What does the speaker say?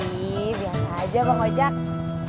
iya biasa aja pak ojak